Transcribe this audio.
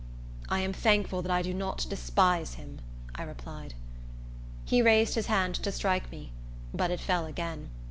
"I am thankful that I do not despise him," I replied. He raised his hand to strike me; but it fell again.